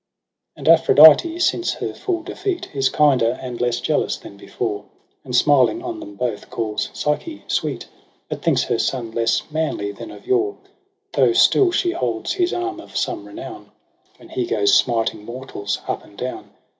7.6 And Aphrodite since her full defeat Is kinder and less jealous than before. And smiling on them both, calls Psyche sweet j But thinks her son less manly than of yore : Though still she holds his arm of some renown. When he goes smiting mortals up and down.